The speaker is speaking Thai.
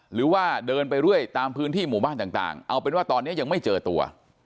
หรือว่าเดินไปเรื่อยตามพื้นที่หมู่บ้านต่างเอาเป็นว่าตอนนี้ยังไม่เจอตัว